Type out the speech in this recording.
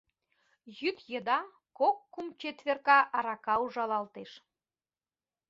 Йӱд еда кок-кум четверка арака ужалалтеш.